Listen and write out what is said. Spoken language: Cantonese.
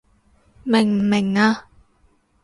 明唔明啊？